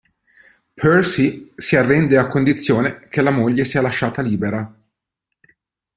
Percy si arrende a condizione che la moglie sia lasciata libera.